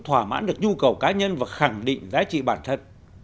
thỏa mãn được nhu cầu cá nhân và khẳng định giá trị bản thân